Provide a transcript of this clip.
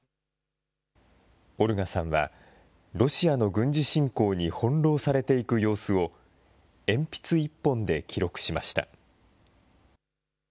オルガさんは、ロシアの軍事侵攻に翻弄されていく様子を、鉛筆一本で記録しました。